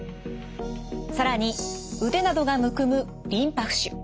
更に腕などがむくむリンパ浮腫。